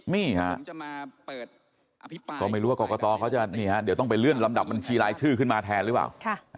นี่ฮะก็ไม่รู้ว่ากรกตเขาจะเดี๋ยวต้องไปเลื่อนลำดับบัญชีรายชื่อขึ้นมาแทนหรือเปล่า